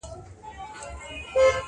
ته جرس په خوب وینه او سر دي ښوروه ورته-